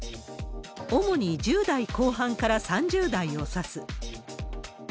主に１０代後半から３０代を指す。